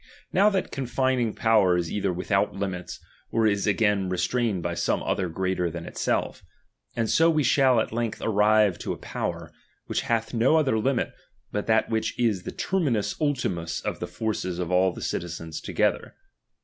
Now that confining power is either without limit, or is again restrained by some other greater than itself ; and so we shall at length arrive to a power, which bath no other limit but that which is the terminus ulti vtus of the forces of all the citizens together.